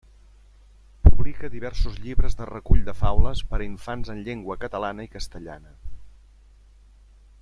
Publica diversos llibres de recull de faules per a infants en llengua catalana i castellana.